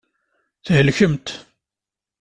Thelkemt.